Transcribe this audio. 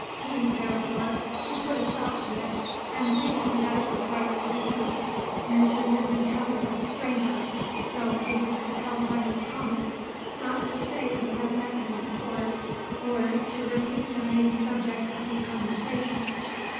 He therefore, to put a stop to it, and feeling that it was right to do so, mentioned his encounter with the stranger, though he was compelled by his promise not to say he had met him before, or to repeat the main subject of his conversation.